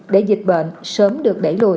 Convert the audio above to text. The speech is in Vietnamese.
để dịch bệnh sớm được đẩy lùi